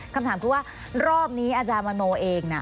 คำถามคือว่ารอบนี้อาจารย์มโนเองนะ